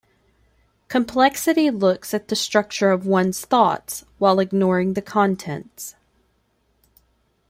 Complexity looks at the structure of one's thoughts, while ignoring the contents.